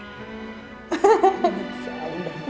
lo tuh jahat tau